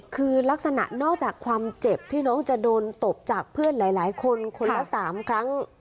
คือลักษณะนอกจากความเจ็บที่น้องจะโดนตบจากเพื่อนหลายคนคนละ๓ครั้ง